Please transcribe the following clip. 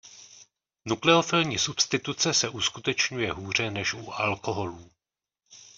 Nukleofilní substituce se uskutečňuje hůře než u alkoholů.